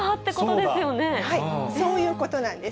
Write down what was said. そういうことなんです。